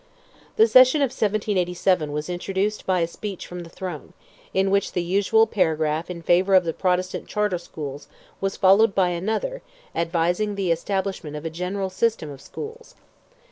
The session of 1787 was introduced by a speech from the throne, in which the usual paragraph in favour of the Protestant Charter Schools was followed by another advising the establishment of a general system of schools.